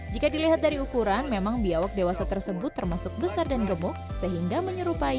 jika dilihat dari ukuran memang biawak dewasa tersebut termasuk besar dan gemuk sehingga menyerupai